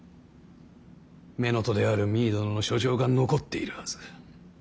乳母である実衣殿の書状が残っているはず。